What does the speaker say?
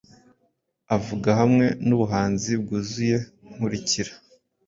Avuga hamwe nubuhanzi bwuzuye 'Nkurikira,